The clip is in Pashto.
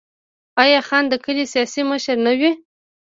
آیا خان د کلي سیاسي مشر نه وي؟